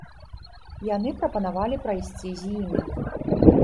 Яны прапанавалі прайсці з імі.